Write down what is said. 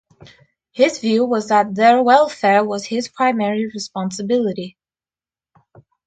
His view was that their welfare was his primary responsibility.